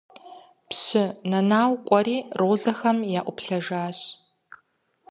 Пщы Нэнау кӀуэри розэхэм яӀуплъэжащ.